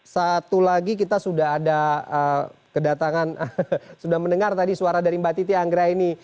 satu lagi kita sudah ada kedatangan sudah mendengar tadi suara dari mbak titi anggra ini